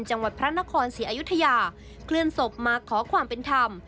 จังหวัดพระนครศรีอยุธยาเคลื่อนศพมาขอความเป็นธรรม